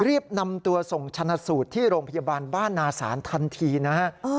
รีบนำตัวส่งชนะสูตรที่โรงพยาบาลบ้านนาศาลทันทีนะฮะ